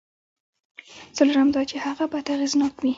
څلورم دا چې هغه باید اغېزناک وي.